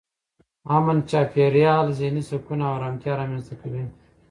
امن چاپېریال ذهني سکون او ارامتیا رامنځته کوي.